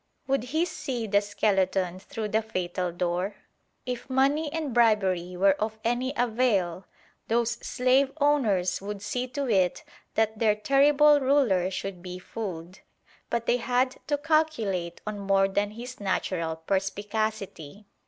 Would he see the skeleton through the fatal door? If money and bribery were of any avail, those slave owners would see to it that their terrible ruler should be fooled. But they had to calculate on more than his natural perspicacity.